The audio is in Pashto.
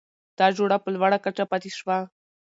دا جوړه په لوړه کچه پاتې شوه؛